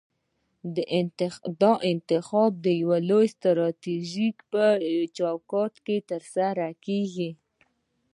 دا انتخاب د لویې سټراټیژۍ په چوکاټ کې ترسره کیږي.